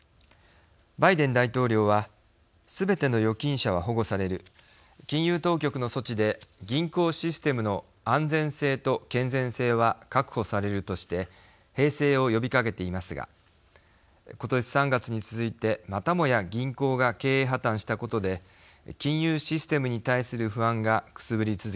バイデン大統領は「すべての預金者は保護される。金融当局の措置で銀行システムの安全性と健全性は確保される」として平静を呼びかけていますが今年３月に続いてまたもや銀行が経営破綻したことで金融システムに対する不安がくすぶり続けています。